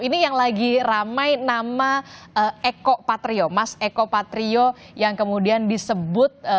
ini yang lagi ramai nama eko patrio mas eko patrio yang kemudian disebut